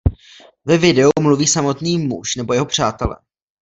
Ve videu mluví samotný muž nebo jeho přátelé.